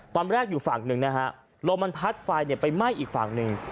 ตอนแรกอยู่ฝั่งหนึ่งนะฮะลมมันพัดไฟไปไหม้อีกฝั่งหนึ่ง